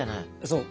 そう。